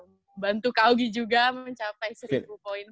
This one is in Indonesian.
untuk ke augie juga mencapai seribu poin free throw